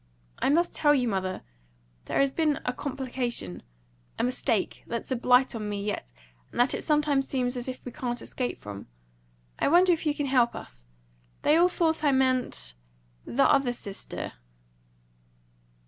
"I must tell you, mother! There's been a complication a mistake that's a blight on me yet, and that it sometimes seems as if we couldn't escape from. I wonder if you can help us! They all thought I meant the other sister."